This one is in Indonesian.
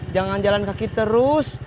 jangan jalan kaki terus